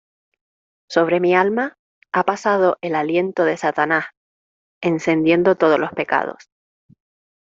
sobre mi alma ha pasado el aliento de Satanás encendiendo todos los pecados: